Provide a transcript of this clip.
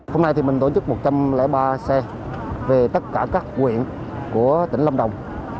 hôm nay thì mình tổ chức một trăm linh ba xe về tất cả các quyện của tỉnh lâm đồng